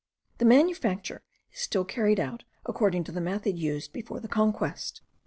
The manufacture is still carried on according to the method used before the conquest.